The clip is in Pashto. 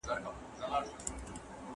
تاسي باید د خپل عزت دپاره کلک واوسئ.